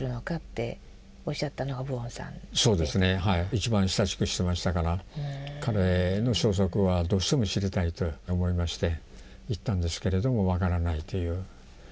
一番親しくしてましたから彼の消息はどうしても知りたいと思いまして行ったんですけれども分からないという。